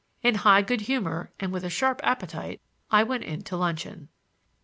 In high good humor and with a sharp appetite I went in to luncheon.